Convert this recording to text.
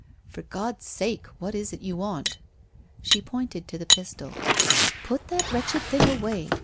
1 For God's sake, what is it you want ?' She pointed to the pistol. ' Put that wretched thing away.